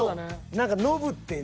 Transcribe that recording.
何かノブってね。